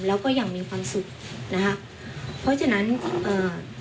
แล้วก็อย่างมีความสุขนะคะเพราะฉะนั้นเอ่อ